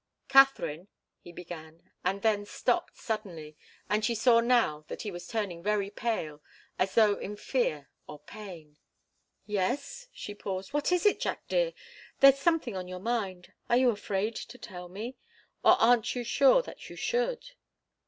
"Katharine" he began, and then stopped suddenly, and she saw now that he was turning very pale, as though in fear or pain. "Yes?" She paused. "What is it, Jack dear? There's something on your mind are you afraid to tell me? Or aren't you sure that you should?"